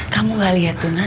kamu gak lihat tuh nak